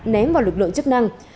ném vào lực lượng chức năng